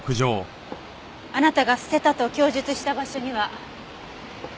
あなたが捨てたと供述した場所には。